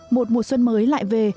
một mùa xuân mới lại về